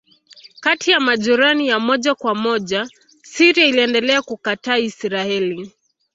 Kati ya majirani ya moja kwa moja Syria iliendelea kukataa Israeli.